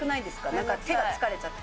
なんか手が疲れちゃって。